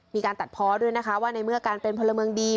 มีการตัดเพาะด้วยนะคะว่าในเมื่อการเป็นพลเมืองดี